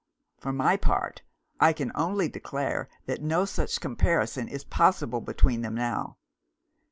For my part, I can only declare that no such comparison is possible between them now.